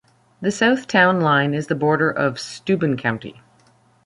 The south town line is the border of Steuben County.